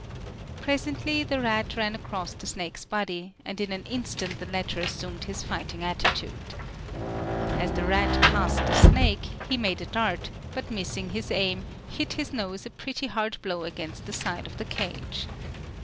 Presently the rat ran across the snake's body, and in an instant the latter assumed his fighting attitude. As the rat passed the snake, he made a dart, but missing his aim, hit his nose a pretty hard blow against the side of the cage.